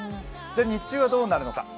じゃ日中はどうなるか。